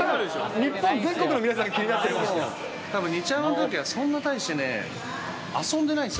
日本全国の皆さんが気になってらっしゃいます。